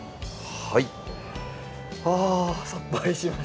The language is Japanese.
はい。